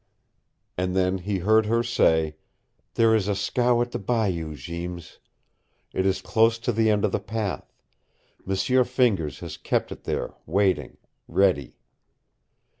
And then he heard her say: "There is a scow at the bayou, Jeems. It is close to the end of the path. M'sieu Fingers has kept it there, waiting, ready."